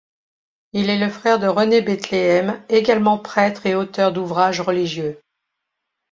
Il est le frère de René Bethléem, également prêtre et auteur d'ouvrages religieux.